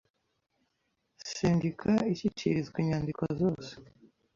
Sendika Ishyikirizwa inyandiko zose